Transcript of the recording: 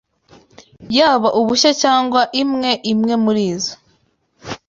yaba ubushyo cyangwa imwe imwe muri zo